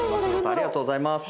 ありがとうございます。